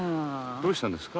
どうしたんですか？